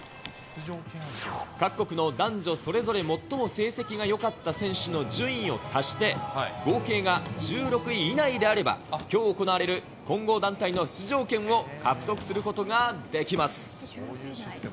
各国の男女それぞれ最も成績がよかった選手の順位を足して、合計が１６位以内であれば、きょう行われる混合団体の出場権を獲得することができます。